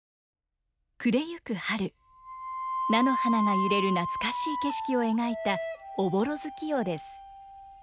暮れゆく春菜の花が揺れる懐かしい景色を描いた「おぼろ月夜」です。